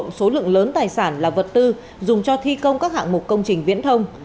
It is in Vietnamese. tổng số lượng lớn tài sản là vật tư dùng cho thi công các hạng mục công trình viễn thông